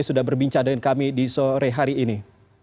sudah berbincang dengan kami di sore hari ini